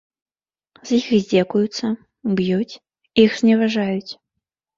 З іх здзекуюцца, б'юць, іх зневажаюць.